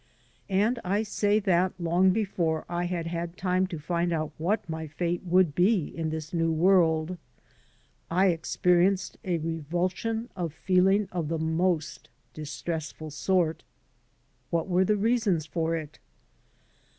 And I/imy that long before I had had time to find out wh$A my own fate Would be in this new world, I experi^^ded a revulsion of feeling of the most distressful sort. What were th« reasons for it?